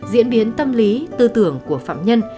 diễn biến tâm lý tư tưởng của phạm nhân